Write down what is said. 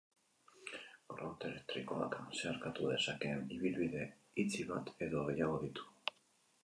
Korronte elektrikoak zeharkatu dezakeen ibilbide itxi bat edo gehiago ditu.